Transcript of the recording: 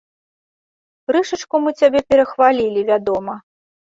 Крышачку мы сябе перахвалілі, вядома.